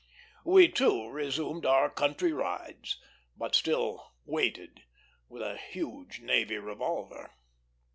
We, too, resumed our country rides, but still weighted with a huge navy revolver.